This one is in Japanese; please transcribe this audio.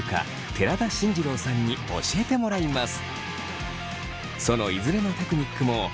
寺田真二郎さんに教えてもらいます。